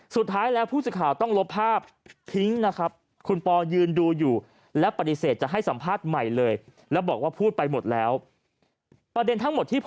สุดท้ายแล้วผู้สิทธิ์ข่าวต้องลบภาพ